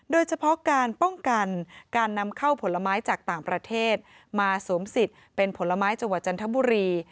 โดยเฉพาะการป้องกันการนำเข้าผลไม้จากต่างประเทศมาสวมสิทธิ์เป็นผลไม้จังหวัดจันทบุรี